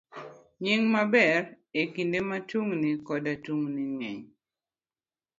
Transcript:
B. Nying maber. E kinde ma tungni koda tungni ng'eny,